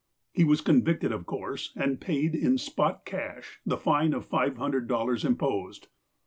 He was convicted, of course, and paid in ''spot cash" the fine of five hundred dollars imposed.